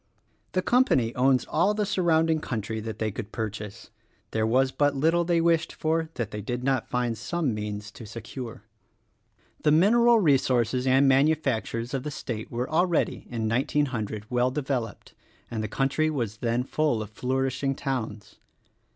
The Company owns all the surrounding country that they could purchase. There was but little they wished for that they did not find some means to secure. 89 90 THE RECORDING ANGEL The mineral resources and manufactures of the state were already, in 1900, well developed; and the country was then full of flourishing towns.